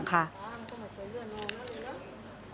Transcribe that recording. คุณยายบอกว่ารู้สึกเหมือนใครมายืนอยู่ข้างหลัง